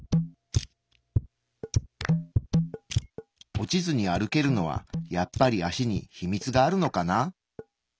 落ちずに歩けるのはやっぱり足に秘密があるのかな？